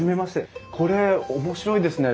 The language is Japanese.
これ面白いですね。